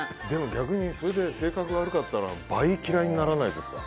逆にそれで性格が悪かったら倍嫌いにならないですか？